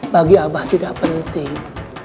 bagi abah tidak penting